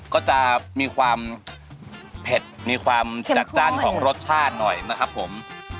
ก็จะมีความเผ็ดมีความจัดจ้านของรสชาติหน่อยนะครับผม